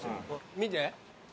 見て。